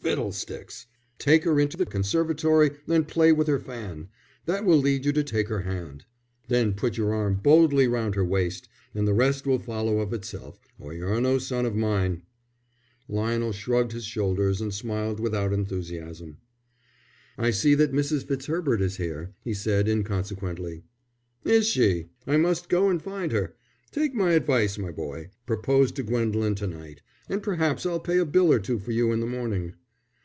"Fiddlesticks! Take her into the conservatory and play with her fan. That will lead you to take her hand. Then put your arm boldly round her waist; and the rest will follow of itself, or you're no son of mine." Lionel shrugged his shoulders and smiled without enthusiasm. "I see that Mrs. Fitzherbert is here," he said, inconsequently. "Is she? I must go and find her. Take my advice, my boy; propose to Gwendolen to night, and perhaps I'll pay a bill or two for you in the morning."